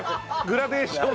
グラデーション。